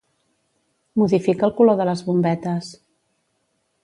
Modifica el color de les bombetes.